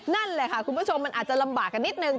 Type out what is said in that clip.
นั่นแหละค่ะคุณผู้ชมมันอาจจะลำบากกันนิดนึง